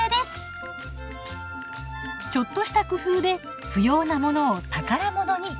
ちょっとした工夫で不要なものを宝物に。